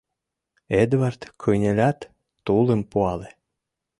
Эдвард кынелят, тулым пуале.